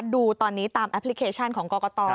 ดูตอนนี้ตามแอปพลิเคชันของกรกต